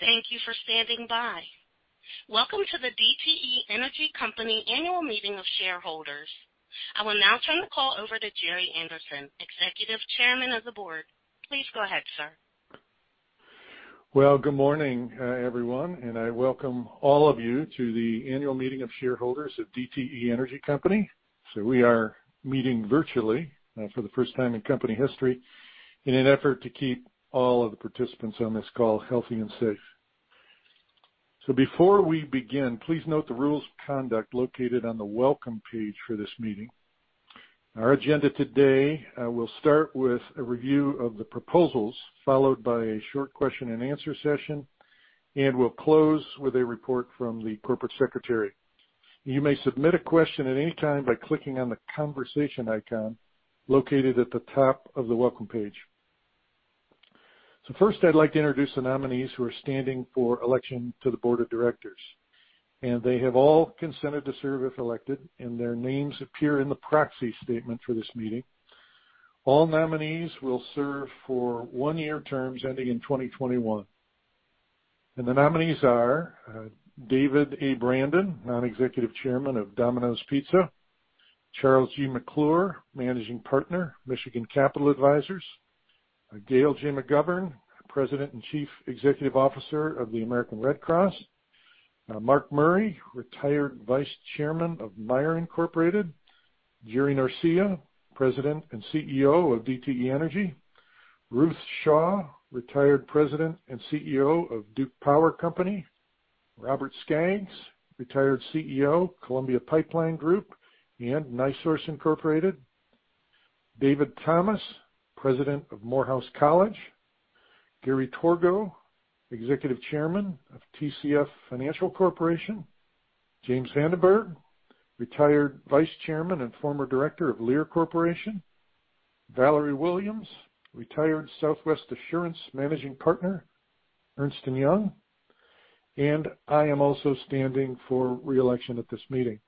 Thank you for standing by. Welcome to the DTE Energy Company annual meeting of shareholders. I will now turn the call over to Gerry Anderson, Executive Chairman of the Board. Please go ahead, sir. Well, good morning, everyone, and I welcome all of you to the annual meeting of shareholders of DTE Energy Company. We are meeting virtually for the first time in company history in an effort to keep all of the participants on this call healthy and safe. Before we begin, please note the rules of conduct located on the welcome page for this meeting. Our agenda today will start with a review of the proposals, followed by a short question-and-answer session, and we'll close with a report from the corporate secretary. You may submit a question at any time by clicking on the conversation icon located at the top of the welcome page. First, I'd like to introduce the nominees who are standing for election to the Board of Directors, they have all consented to serve if elected, their names appear in the proxy statement for this meeting. All nominees will serve for one-year terms ending in 2021. The nominees are David A. Brandon, Non-Executive Chairman of Domino's Pizza. Charles G. McClure, Managing Partner, Michigan Capital Advisors. Gail J. McGovern, President and Chief Executive Officer of the American Red Cross. Mark Murray, retired Vice Chairman of Meijer, Inc. Gerardo Norcia, President and CEO of DTE Energy. Ruth Shaw, retired President and CEO of Duke Power Company. Robert Skaggs, retired CEO, Columbia Pipeline Group and NiSource Inc. David Thomas, President of Morehouse College. Gary Torgow, Executive Chairman of TCF Financial Corporation. James Vandenberghe, retired Vice Chairman and Former Director of Lear Corporation. Valerie Williams, retired Southwest Assurance managing partner, Ernst & Young. I am also standing for re-election at this meeting.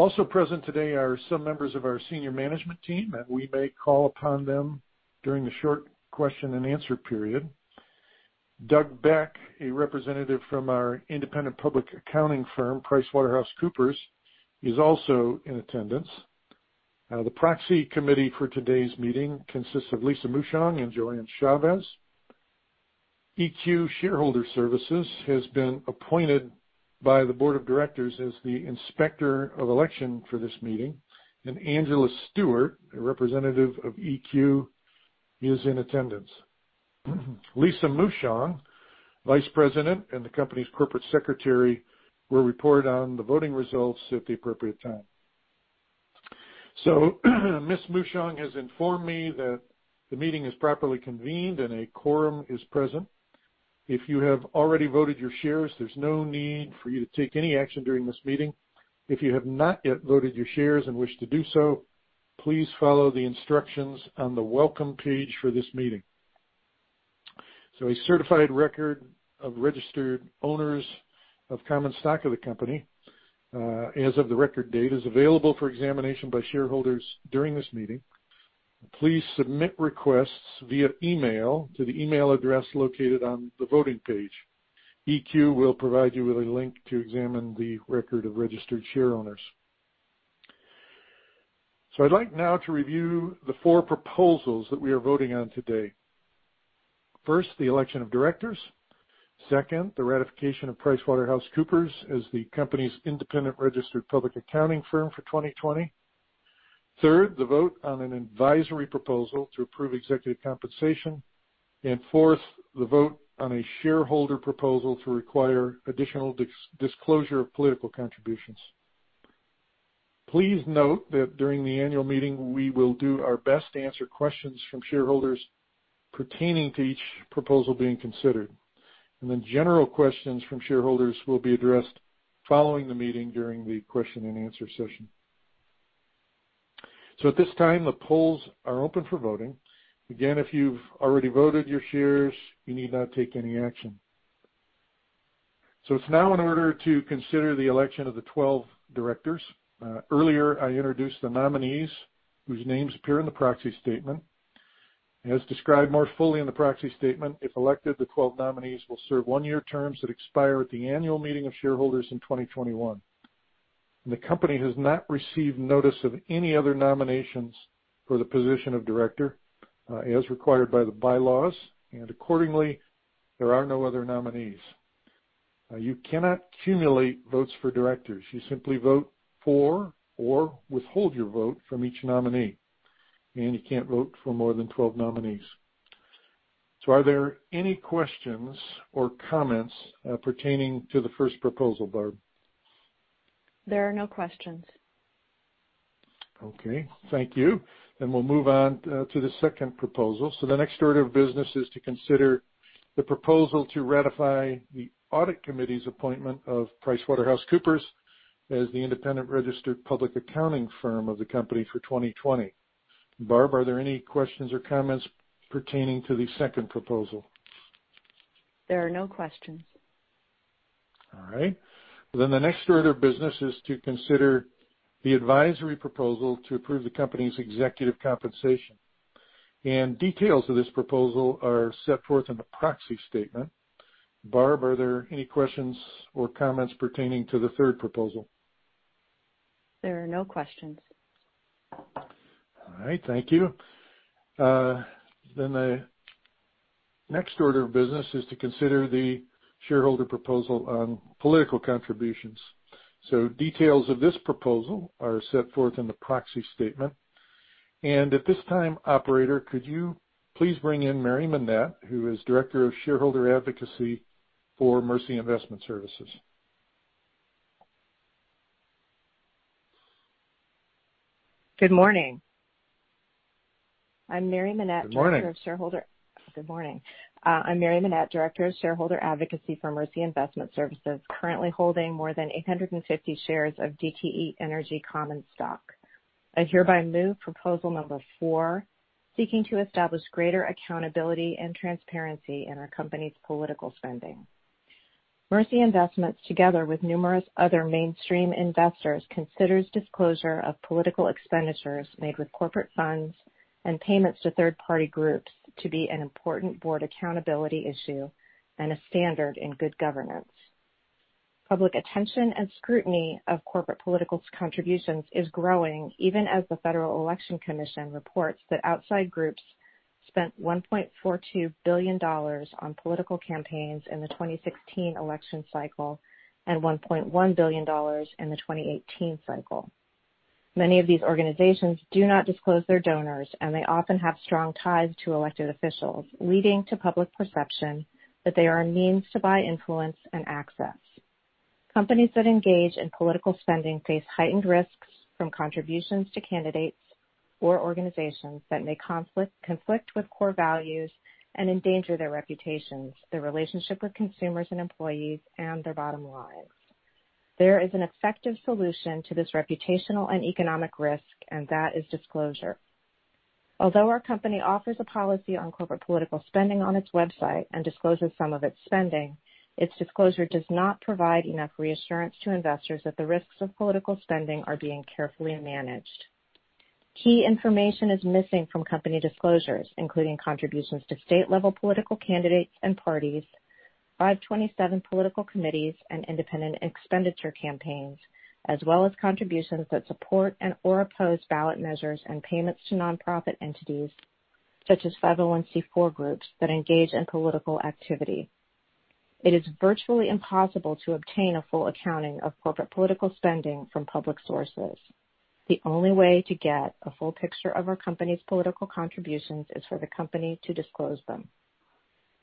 Also present today are some members of our senior management team, and we may call upon them during the short question-and-answer period. Doug Beck, a representative from our independent public accounting firm, PricewaterhouseCoopers, is also in attendance. The proxy committee for today's meeting consists of Lisa Muschong and JoAnn Chávez. EQ Shareholder Services has been appointed by the board of directors as the inspector of election for this meeting, and Angela Stewart, a representative of EQ, is in attendance. Lisa Muschong, Vice President and the company's Corporate Secretary, will report on the voting results at the appropriate time. Ms. Muschong has informed me that the meeting is properly convened and a quorum is present. If you have already voted your shares, there's no need for you to take any action during this meeting. If you have not yet voted your shares and wish to do so, please follow the instructions on the welcome page for this meeting. A certified record of registered owners of common stock of the company as of the record date is available for examination by shareholders during this meeting. Please submit requests via email to the email address located on the voting page. EQ will provide you with a link to examine the record of registered share owners. I'd like now to review the four proposals that we are voting on today. First, the election of directors. Second, the ratification of PricewaterhouseCoopers as the company's independent registered public accounting firm for 2020. Third, the vote on an advisory proposal to approve executive compensation. Fourth, the vote on a shareholder proposal to require additional disclosure of political contributions. Please note that during the annual meeting, we will do our best to answer questions from shareholders pertaining to each proposal being considered. General questions from shareholders will be addressed following the meeting during the question-and-answer session. At this time, the polls are open for voting. Again, if you've already voted your shares, you need not take any action. It's now in order to consider the election of the 12 directors. Earlier, I introduced the nominees whose names appear in the proxy statement. As described more fully in the proxy statement, if elected, the 12 nominees will serve one-year terms that expire at the annual meeting of shareholders in 2021. The company has not received notice of any other nominations for the position of director as required by the bylaws, and accordingly, there are no other nominees. You cannot accumulate votes for directors. You simply vote for or withhold your vote from each nominee, and you can't vote for more than 12 nominees. Are there any questions or comments pertaining to the first proposal, Barb? There are no questions. Okay. Thank you. We'll move on to the second proposal. The next order of business is to consider the proposal to ratify the audit committee's appointment of PricewaterhouseCoopers as the independent registered public accounting firm of the company for 2020. Barb, are there any questions or comments pertaining to the second proposal? There are no questions. All right. The next order of business is to consider the advisory proposal to approve the company's executive compensation. Details of this proposal are set forth in the proxy statement. Barb, are there any questions or comments pertaining to the third proposal? There are no questions. All right, thank you. The next order of business is to consider the shareholder proposal on political contributions. Details of this proposal are set forth in the proxy statement. At this time, operator, could you please bring in Mary Minette, who is Director of Shareholder Advocacy for Mercy Investment Services. Good morning. I'm Mary Minette- Good morning. Good morning. I'm Mary Minette, Director of Shareholder Advocacy for Mercy Investment Services, currently holding more than 850 shares of DTE Energy common stock. I hereby move proposal number four, seeking to establish greater accountability and transparency in our company's political spending. Mercy Investment, together with numerous other mainstream investors, considers disclosure of political expenditures made with corporate funds and payments to third-party groups to be an important board accountability issue and a standard in good governance. Public attention and scrutiny of corporate political contributions is growing, even as the Federal Election Commission reports that outside groups spent $1.42 billion on political campaigns in the 2016 election cycle and $1.1 billion in the 2018 cycle. Many of these organizations do not disclose their donors. They often have strong ties to elected officials, leading to public perception that they are a means to buy influence and access. Companies that engage in political spending face heightened risks from contributions to candidates or organizations that may conflict with core values and endanger their reputations, their relationship with consumers and employees, and their bottom lines. There is an effective solution to this reputational and economic risk. That is disclosure. Although our company offers a policy on corporate political spending on its website and discloses some of its spending, its disclosure does not provide enough reassurance to investors that the risks of political spending are being carefully managed. Key information is missing from company disclosures, including contributions to state-level political candidates and parties, 527 political committees and independent expenditure campaigns, as well as contributions that support and/or oppose ballot measures and payments to nonprofit entities such as 501(c)(4) groups that engage in political activity. It is virtually impossible to obtain a full accounting of corporate political spending from public sources. The only way to get a full picture of our company's political contributions is for the company to disclose them.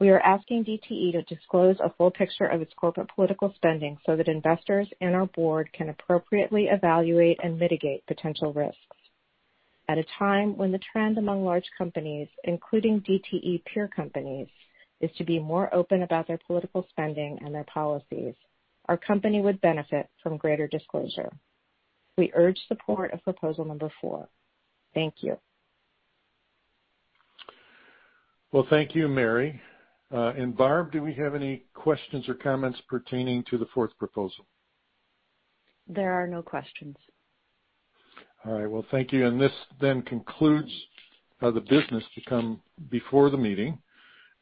We are asking DTE to disclose a full picture of its corporate political spending so that investors and our board can appropriately evaluate and mitigate potential risks. At a time when the trend among large companies, including DTE peer companies, is to be more open about their political spending and their policies, our company would benefit from greater disclosure. We urge support of proposal number four. Thank you. Well, thank you, Mary. Barb, do we have any questions or comments pertaining to the fourth proposal? There are no questions. All right. Well, thank you. This then concludes the business to come before the meeting.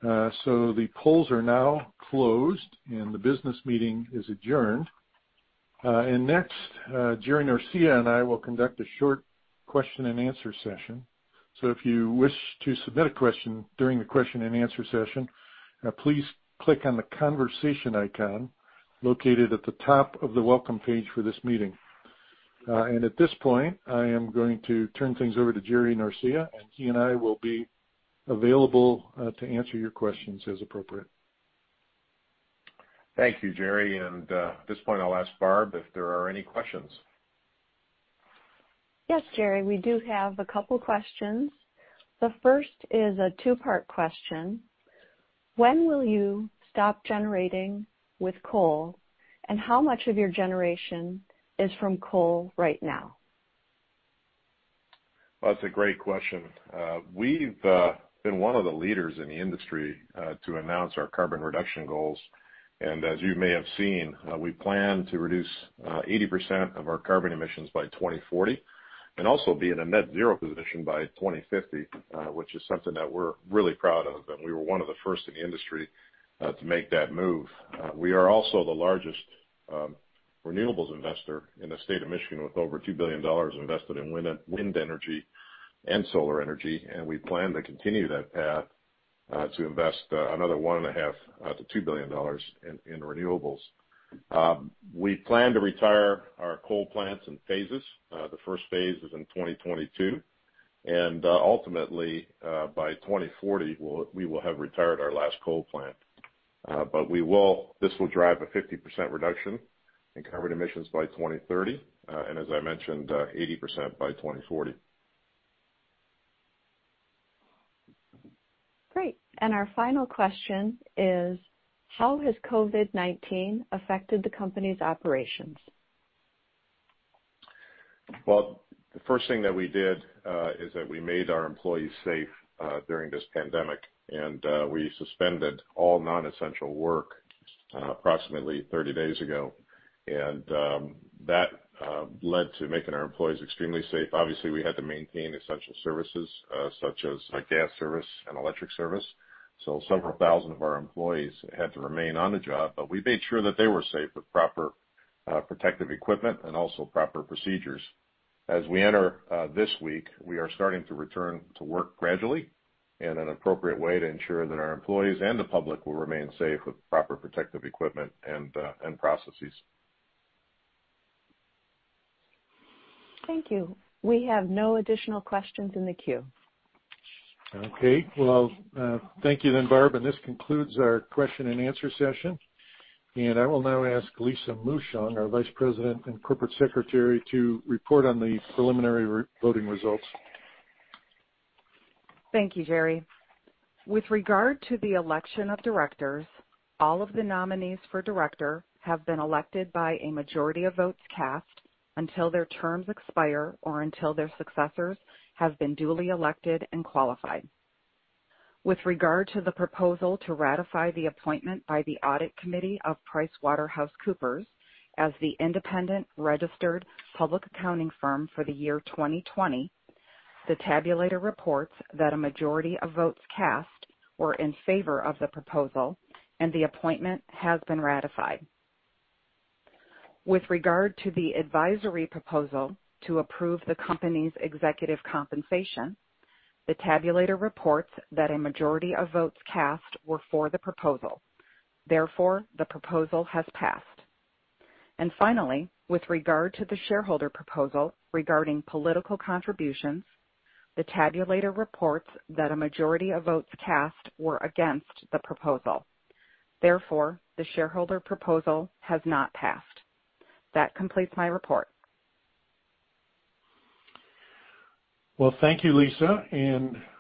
The polls are now closed, and the business meeting is adjourned. Next, Gerardo Norcia and I will conduct a short question-and-answer session. If you wish to submit a question during the question-and-answer session, please click on the Conversation icon located at the top of the welcome page for this meeting. At this point I am going to turn things over to Gerardo Norcia, and he and I will be available to answer your questions as appropriate. Thank you, Gerry. At this point, I'll ask Barb if there are any questions. Yes, Gerry, we do have a couple questions. The first is a two-part question. When will you stop generating with coal? How much of your generation is from coal right now? Well, that's a great question. We've been one of the leaders in the industry to announce our carbon reduction goals. As you may have seen, we plan to reduce 80% of our carbon emissions by 2040 and also be in a net zero position by 2050, which is something that we're really proud of, and we were one of the first in the industry to make that move. We are also the largest renewables investor in the state of Michigan, with over $2 billion invested in wind energy and solar energy. We plan to continue that path to invest another $1.5 billion-$2 billion in renewables. We plan to retire our coal plants in phases. The first phase is in 2022. Ultimately by 2040, we will have retired our last coal plant. This will drive a 50% reduction in carbon emissions by 2030, and as I mentioned, 80% by 2040. Great. Our final question is, how has COVID-19 affected the company's operations? Well, the first thing that we did, is that we made our employees safe during this pandemic, and we suspended all non-essential work approximately 30 days ago. That led to making our employees extremely safe. Obviously, we had to maintain essential services, such as gas service and electric service. Several thousand of our employees had to remain on the job, but we made sure that they were safe with proper protective equipment and also proper procedures. As we enter this week, we are starting to return to work gradually in an appropriate way to ensure that our employees and the public will remain safe with proper protective equipment and processes. Thank you. We have no additional questions in the queue. Okay. Well, thank you then, Barb. This concludes our question-and-answer session. I will now ask Lisa Muschong, our Vice President and Corporate Secretary, to report on the preliminary voting results. Thank you, Gerry. With regard to the election of directors, all of the nominees for director have been elected by a majority of votes cast until their terms expire or until their successors have been duly elected and qualified. With regard to the proposal to ratify the appointment by the audit committee of PricewaterhouseCoopers as the independent registered public accounting firm for the year 2020, the tabulator reports that a majority of votes cast were in favor of the proposal, and the appointment has been ratified. With regard to the advisory proposal to approve the company's executive compensation, the tabulator reports that a majority of votes cast were for the proposal. Therefore, the proposal has passed. Finally, with regard to the shareholder proposal regarding political contributions, the tabulator reports that a majority of votes cast were against the proposal. Therefore, the shareholder proposal has not passed. That completes my report. Well, thank you, Lisa.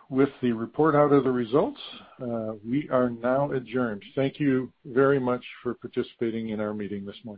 With the report out of the results, we are now adjourned. Thank you very much for participating in our meeting this morning.